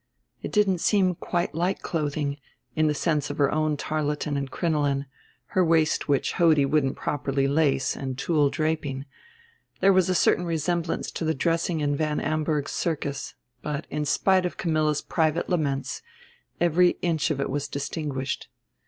It didn't seem quite like clothing, in the sense of her own tarlatan and crinoline, her waist which Hodie wouldn't properly lace and tulle draping; there was a certain resemblance to the dressing in Van Amburgh's circus; but in spite of Camilla's private laments every inch of it was distinguished.